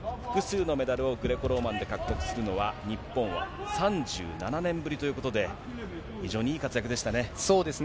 複数のメダルをグレコローマンで獲得するのは、日本は３７年ぶりということで、非常にいい活躍でそうですね。